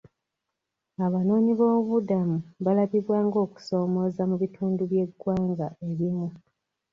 Abanoonyiboobubudamu balabibwa ng'okusoomooza mu bitundu by'eggwanga ebimu.